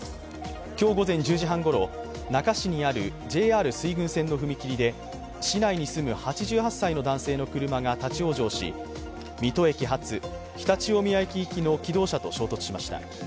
今日午前１０時半ごろ、那珂市にあるＪＲ水郡線の踏切で市内に住む８８歳の男性の車が立往生し水戸駅発、常陸大宮駅行きの気動車と衝突しました。